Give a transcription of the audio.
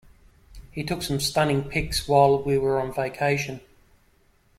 He took some stunning pics while we were on vacation.